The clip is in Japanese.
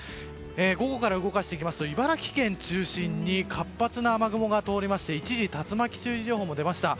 午後から動かしますと茨城県中心に活発な雨雲が通りまして一時、竜巻注意情報も出ました。